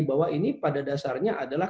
bahwa ini pada dasarnya adalah